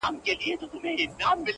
درته ایښي د څپلیو دي رنګونه -